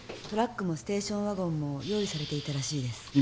トラックもステーションワゴンも用意されていたらしいです。